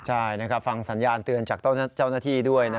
ใช่ฟังสัญญาณเตือนจากเจ้าหน้าที่ด้วย